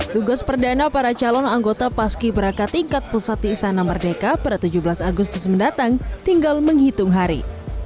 tugas perdana para calon anggota paski berakat tingkat pusat di istana merdeka pada tujuh belas agustus mendatang tinggal menghitung hari